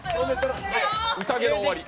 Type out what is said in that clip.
宴の終わり。